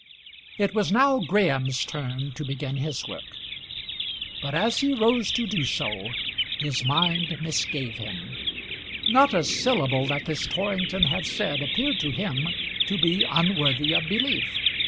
It was now Graham's turn to begin his work; but as he rose to do so his mind misgave him. Not a syllable that this Torrington had said appeared to him to be unworthy of belief.